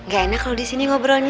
gak enak kalau di sini ngobrolnya